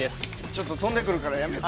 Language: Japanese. ◆ちょっと飛んでくるからやめて。